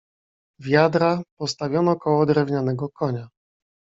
"Wiadra postawiono koło drewnianego konia."